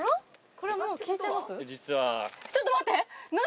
これはもう聞いちゃいます？